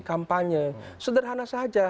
kampanye sederhana saja